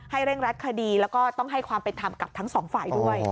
เร่งรัดคดีแล้วก็ต้องให้ความเป็นธรรมกับทั้งสองฝ่ายด้วย